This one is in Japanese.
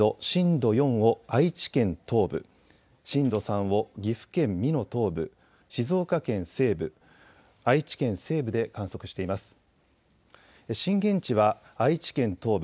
震度４を愛知県東部、震度３を岐阜県美濃東部、静岡県西部、愛知県西部で観測しています。